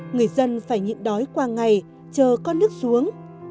người dân phải nhịn đói qua ngày chờ con nước xuống